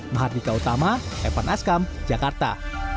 mahardika utama evan askam jakarta